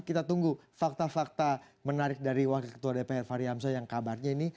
kita tunggu fakta fakta menarik dari wakil ketua dpr fahri hamzah yang kabarnya ini